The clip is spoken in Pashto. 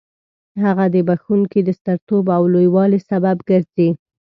هغه د بخښونکي د سترتوب او لوی والي سبب ګرځي.